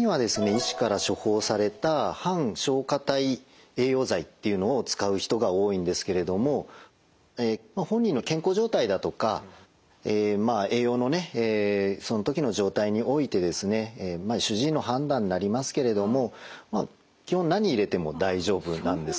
医師から処方された半消化態栄養剤っていうのを使う人が多いんですけれども本人の健康状態だとか栄養のその時の状態においてですね主治医の判断になりますけれどもまあ基本何入れても大丈夫なんです。